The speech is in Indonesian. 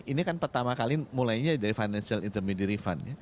ini kan pertama kali mulainya dari financial intermediary fund ya